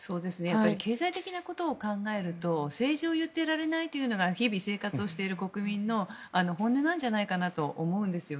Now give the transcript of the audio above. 経済的なことを考えると政治を言っていられないというのが日々、生活している国民の本音なんじゃないかなと思うんです。